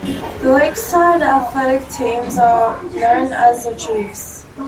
The Lakeside athletic teams are known as the Chiefs.